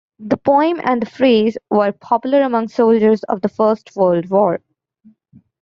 The poem and the phrase were popular among soldiers of the First World War.